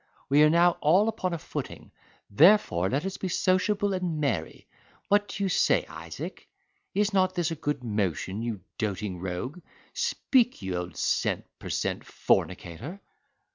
We are now all upon a footing; therefore let us be sociable and merry. What do you say, Isaac? Is not this a good motion, you doting rogue? Speak, you old cent per cent fornicator?